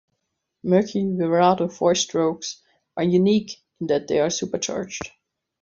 Mercury Verado four-strokes are unique in that they are supercharged.